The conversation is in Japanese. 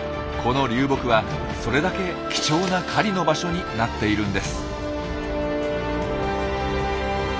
この流木はそれだけ貴重な狩りの場所になっているんです。